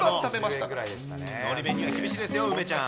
のり弁には厳しいですよ、梅ちゃん。